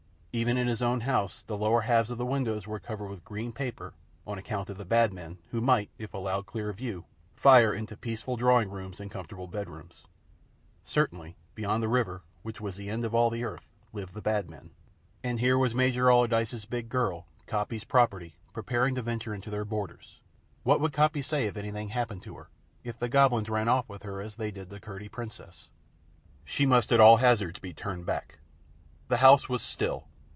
Even in his own house the lower halves of the windows were covered with green paper on account of the Bad Men who might, if allowed clear view, fire into peaceful drawing rooms and comfortable bedrooms. Certainly, beyond the river, which was the end of all the Earth, lived the Bad Men. And here was Major Allardyce's big girl, Coppy's property, preparing to venture into their borders! What would Coppy say if anything happened to her? If the Goblins ran off with her as they did with Curdie's Princess? She must at all hazards be turned back. The house was still.